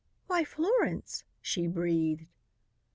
"Why, Florence!" she breathed.